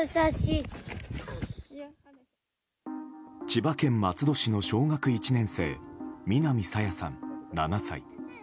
千葉県松戸市の小学１年生南朝芽さん、７歳。